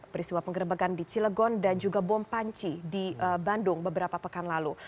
peristiwa penggerbekan di cilegon dan juga bom panci di bandung beberapa pekan lalu